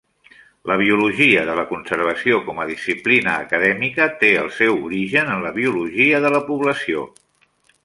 La biologia de la conservació com a disciplina acadèmica té el seu origen en la biologia de la població.